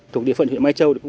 thuộc địa phận huyện mai châu